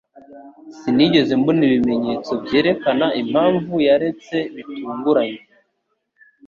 Sinigeze mbona ibimenyetso byerekana impamvu yaretse bitunguranye.